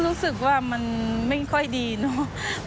รู้สึกว่ามันไม่ค่อยดีเนาะ